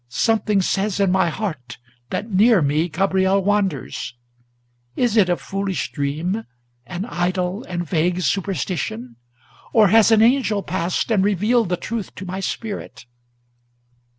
Something says in my heart that near me Gabriel wanders. Is it a foolish dream, an idle and vague superstition? Or has an angel passed, and revealed the truth to my spirit?"